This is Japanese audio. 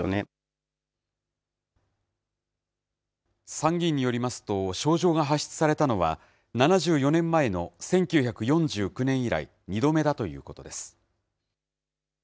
参議院によりますと、招状が発出されたのは、７４年前の１９４９年以来２度目だということです。